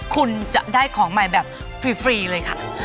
คุณจะได้ของใหม่แบบฟรีเลยค่ะ